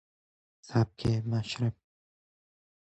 سبک مشرب